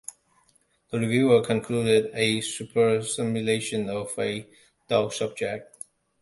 The reviewer concluded: "A superb simulation of a dull subject".